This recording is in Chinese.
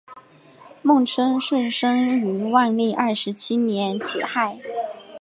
孟称舜生于万历二十七年己亥。